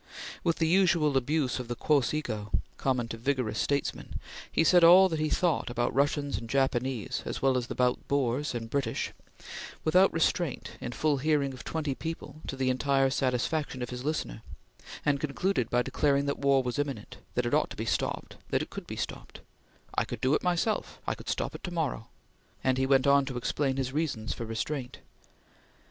With the usual abuse of the quos ego, common to vigorous statesmen, he said all that he thought about Russians and Japanese, as well as about Boers and British, without restraint, in full hearing of twenty people, to the entire satisfaction of his listener; and concluded by declaring that war was imminent; that it ought to be stopped; that it could be stopped: "I could do it myself; I could stop it to morrow!" and he went on to explain his reasons for restraint.